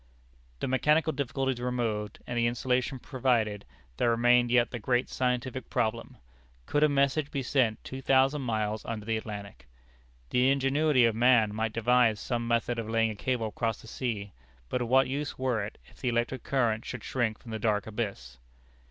The mechanical difficulties removed, and the insulation provided, there remained yet the great scientific problem: Could a message be sent two thousand miles under the Atlantic? The ingenuity of man might devise some method of laying a cable across the sea, but of what use were it, if the electric current should shrink from the dark abyss?